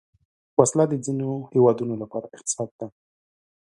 وسله د ځینو هیوادونو لپاره اقتصاد ده